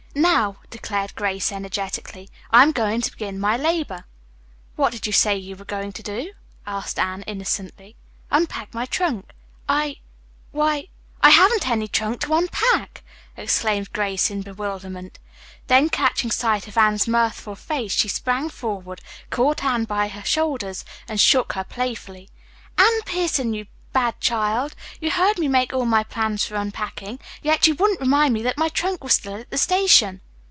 "Now," declared Grace energetically, "I am going to begin my labor." "What did you say you were going to do?" asked Anne innocently. "Unpack my trunk. I why I haven't any trunk to unpack!" exclaimed Grace in bewilderment. Then catching sight of Anne's mirthful face, she sprang forward, caught Anne by the shoulders and shook her playfully. "Anne Pierson, you bad child, you heard me make all my plans for unpacking, yet you wouldn't remind me that my trunk was still at the station."